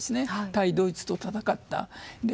対ドイツと戦った。